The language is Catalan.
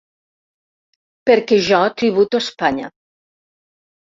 Perquè jo tributo a Espanya!